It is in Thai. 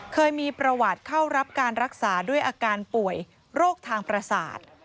เคยมีประวัติเข้ารับการรักษาด้วยอาการป่วยโรคทางประสาท